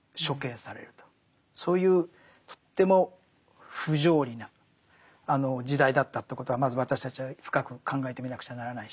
そういうとっても不条理な時代だったということはまず私たちは深く考えてみなくちゃならないし。